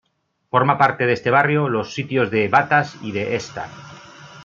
Forma parte de este barrio los sitios de Batas y de Estar.